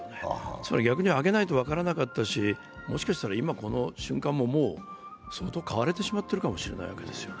つまり逆に上げないと分からなかったし、もしかしたら今この瞬間ももう、相当買われてしまってるかもしれないんですよね。